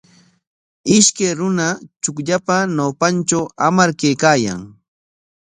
Ishkay runa chukllapa ñawpantraw hamar kaykaayan.